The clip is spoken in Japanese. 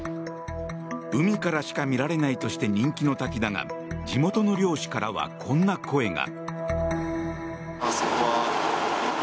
海からしか見られないとして人気の滝だが地元の漁師からはこんな声が。